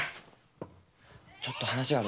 ちょっと話があるんだ。